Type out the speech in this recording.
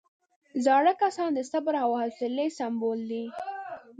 زاړه کسان د صبر او حوصلې سمبول دي